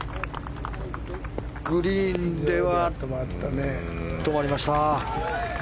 グリーンでは止まりました。